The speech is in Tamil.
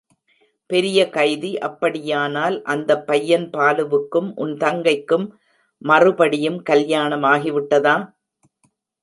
பெரிய கைதி அப்படியானால் அந்தப் பையன் பாலுவுக்கும் உன் தங்கைக்கும் மறுபடியும் கல்யாணம் ஆகிவிட்டதா?